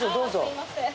すいません。